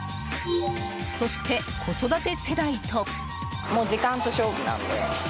そして、子育て世代と。